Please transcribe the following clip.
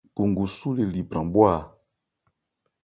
Gungusú le li bran bhwá a.